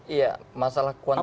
iya masalah kuantitas